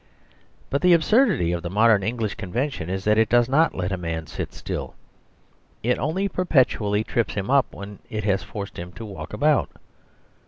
But the absurdity of the modern English convention is that it does not let a man sit still; it only perpetually trips him up when it has forced him to walk about.